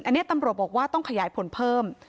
อันนี้ตำรวจบอกว่าต้องขยายผลเพิ่ม